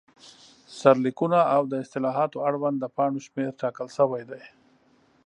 سرلیکونه، او د اصطلاحاتو اړوند د پاڼو شمېر ټاکل شوی دی.